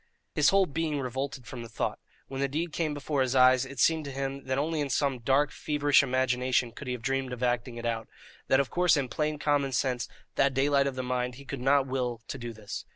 His whole being revolted from the thought; when the deed came before his eyes, it seemed to him that only in some dark feverish imagination could he have dreamed of acting it out, that of course in plain common sense, that daylight of the mind, he could not will to do this.